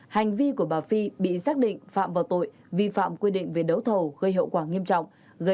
hành vi của bà phi bị xác định phạm vào tội vi phạm quy định về đấu thầu gây hậu quả nghiêm trọng